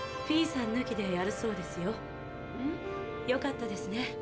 フィーさんぬきでやるそうですよ。よかったですね。